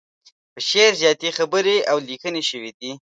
په شعر زياتې خبرې او ليکنې شوي دي.